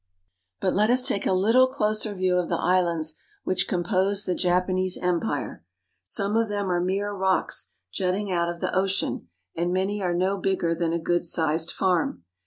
But let us take a little closer view of the islands which compose the Japanese Empire. Some of them are mere rocks jutting out of the ocean, and many are no bigger than a good sized farm.